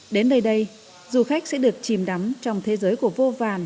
đến nơi đây du khách sẽ được chìm đắm trong thế giới của vô vàn